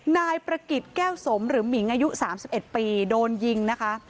นายประกิจแก้วสมหรือหมิงอายุ๓๑ปีโดนยิงนะคะ